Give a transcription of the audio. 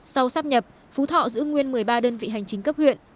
sau sắp nhập phú thọ giữ nguyên một mươi ba đơn vị hành chính cấp huyện